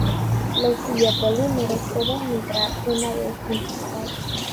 Los biopolímeros pueden migrar una vez infiltrados.